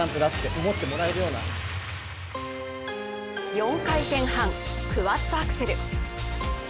４回転半、クワッドアクセル。